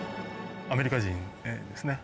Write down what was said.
アメリカ人ですね。